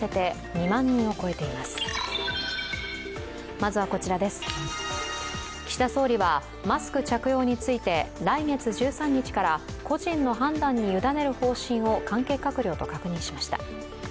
まずは、岸田総理はマスク着用について、来月１３日から個人の判断に委ねる方針を関係閣僚と確認しました。